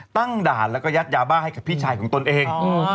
ตั้งด่านแล้วก็ยัดยาบ้าให้กับพี่ชายของตนเอง